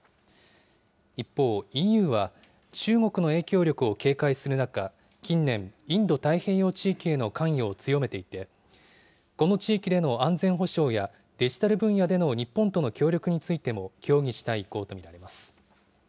一方、ＥＵは中国の影響力を警戒する中、近年、インド太平洋地域への関与を強めていて、この地域での安全保障や、デジタル分野での日本との協力についても、協議したい意向とみられます。